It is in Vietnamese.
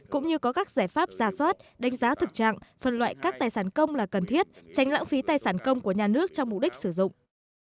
cũng như có các giải pháp ra soát đánh giá thực trạng phân loại các tài sản công là cần thiết tránh lãng phí tài sản công của nhà nước cho mục đích sử dụng